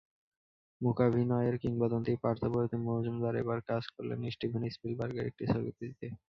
মূকাভিনয়ের কিংবদন্তি পার্থপ্রতিম মজুমদার এবার কাজ করলেন স্টিভেন স্পিলবার্গের একটি ছবিতে।